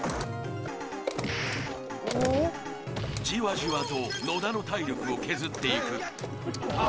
［じわじわと野田の体力を削っていく］